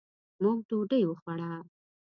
موږ ډوډۍ وخوړه.